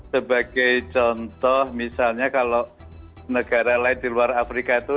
sebagai contoh misalnya kalau negara lain di luar afrika itu